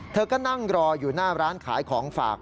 เธอก็นั่งรออยู่หน้าร้านขายของฝาก